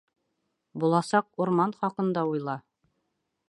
— Буласаҡ урман хаҡында уйла.